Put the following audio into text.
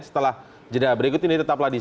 setelah jeda berikut ini tetaplah di